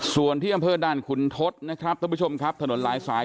ส่วนที่ห้ามเพื่อดั่งขุมทศนะครับต้องผู้ชมครับถนนลายสาย